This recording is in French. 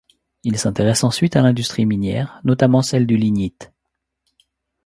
Il s'intéresse ensuite à l'industrie minière, notamment celle du lignite.